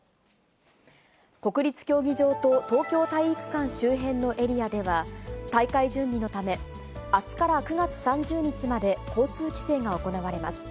国立競技場と東京体育館周辺のエリアでは、大会準備のため、あすから９月３０日まで交通規制が行われます。